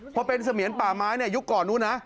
เพราะเป็นเสมียนป่าไม้ยุคก่อนนู้นนะ